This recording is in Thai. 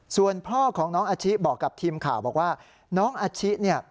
ส่วนพ่อของน้องอาชิบอกกับทีมข่าวบอกว่าน้องอาชิเนี่ย